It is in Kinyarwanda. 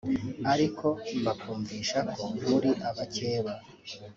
ariko bakumvisha ko muri abakeba